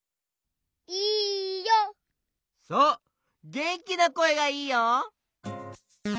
げんきなこえがいいよ！